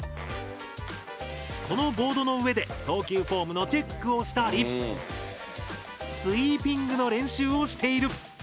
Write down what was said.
このボードの上で投球フォームのチェックをしたりスイーピングの練習をしている。